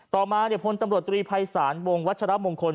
ต่อมาพลตำรวจตรีภัยศาลวงวัชรมงคล